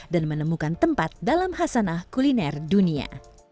dan menemukan tempat dalam hasanah kuliner dunia